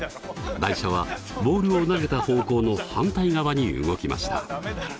台車はボールを投げた方向の反対側に動きました。